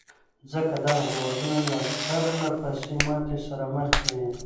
ځکه دغه هېوادونه له پرلهپسې ماتې سره مخ دي.